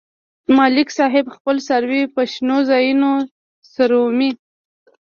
ملک صاحب خپل څاروي په شنو ځایونو څرومي.